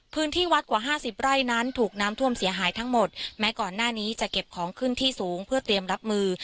พื้นที่วัดกว่าห้าสิบไร่นั้นถูกน้ำท่วมเสียหายทั้งหมดแม้ก่อนหน้านี้จะเก็บของขึ้นที่สูงเพื่อเตรียมรับมือ